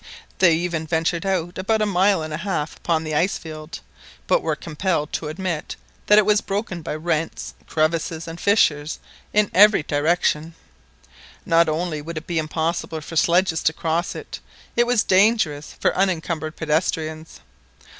They even ventured out about a mile and a half upon the ice field, but were compelled to admit that it was broken by rents, crevasses, and fissures in every direction. Not only would it be impossible for sledges to cross it, it was dangerous for unencumbered pedestrians.